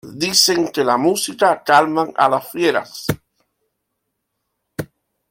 Dicen que la música calma a las fieras.